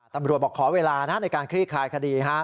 ตำรวจบอกขอเวลานะในการคลี่คลายคดี